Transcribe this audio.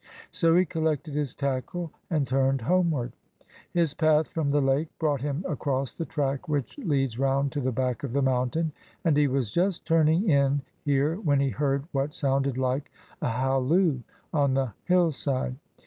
So he collected his tackle and turned homeward. His path from the lake brought him across the track which leads round to the back of the mountain; and he was just turning in here when he heard what sounded like a halloo on the hill side.